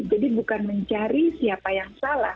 jadi bukan mencari siapa yang salah